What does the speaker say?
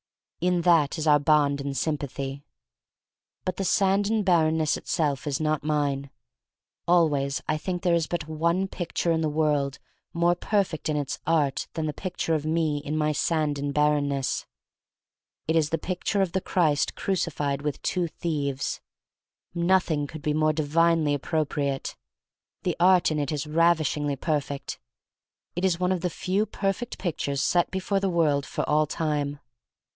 In that is our bond of sympathy. But the sand and barrenness itself is not mine. Always I think there is but one pic 193 194 THE STORY OF MARY MAC LANE ture in the world more perfect in its art than the picture of me in my sand and barrenness. It is, the picture of the Christ crucified with two thieves. Nothing could be more divinely appro priate. The art in it is ravishingly perfect. It is one of the few perfect pictures set before the world for all time.